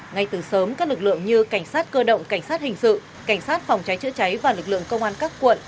ngay từ sớm các lực lượng như cảnh sát cơ động cảnh sát hình sự cảnh sát phòng cháy chữa cháy và lực lượng công an các quận